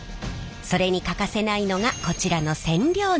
それに欠かせないのがこちらの染料のりです。